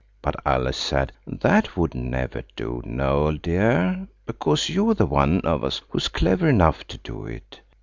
But Alice said– "That would never do, Noël dear, because you're the one of us who's clever enough to do it."